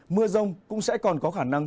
mưa rông cũng sẽ còn có khả năng